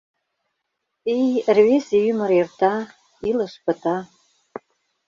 Эй, рвезе ӱмыр эрта — илыш пыта.